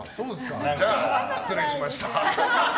じゃあ、失礼しました。